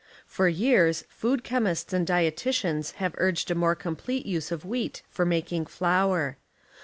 For years, food chemists and dietitians have urged a more complete use of wheat 18 for making flour.